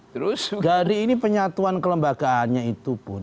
jadi ini penyatuan kelembagaannya itu pun